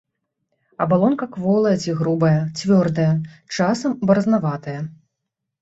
Абалонка кволая ці грубая, цвёрдая, часам баразнаватая.